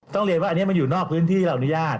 ต้องเรียนว่าอันนี้มันอยู่นอกพื้นที่เราอนุญาต